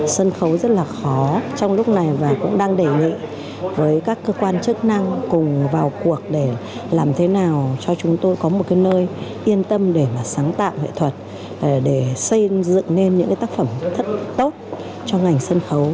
sân khấu rất là khó trong lúc này và cũng đang đề nghị với các cơ quan chức năng cùng vào cuộc để làm thế nào cho chúng tôi có một cái nơi yên tâm để mà sáng tạo nghệ thuật để xây dựng nên những cái tác phẩm thật tốt cho ngành sân khấu